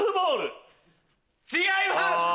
違います！